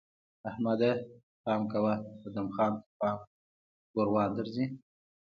احمده! پام کوه؛ ادم خان تر پام ګوروان درځي!